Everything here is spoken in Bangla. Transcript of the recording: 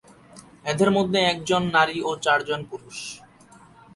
এদের মধ্যে এক জন নারী ও চার জন পুরুষ।